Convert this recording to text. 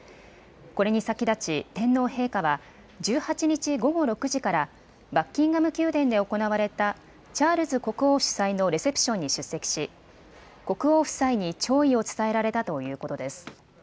これに先立ち天皇陛下は１８日午後６時からバッキンガム宮殿で行われたチャールズ国王主催のレセプションに出席し国王夫妻に弔意を伝えられたということです。